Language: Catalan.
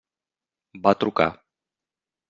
Va trucar.